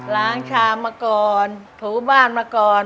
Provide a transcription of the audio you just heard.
ล้างชามมาก่อนถูบ้านมาก่อน